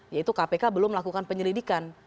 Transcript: yaitu kpk belum melakukan penyelidikan